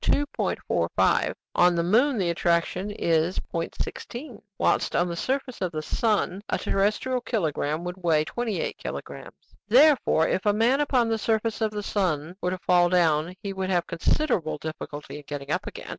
45; on the moon the attraction is 0.16, whilst on the surface of the sun a terrestrial kilogramme would weigh 28 kilogrammes." "Therefore, if a man upon the surface of the sun were to fall down, he would have considerable difficulty in getting up again.